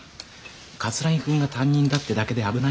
桂木君が担任だってだけで危ないのに。